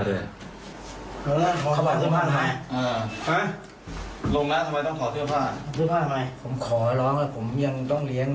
ต้องถอดเชื่อผ้าทำไมผมขอร้องผมยังต้องเลี้ยง